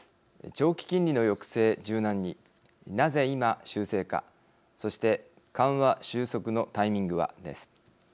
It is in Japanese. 長期金利の抑制柔軟になぜ今修正かそして緩和収束のタイミングはです。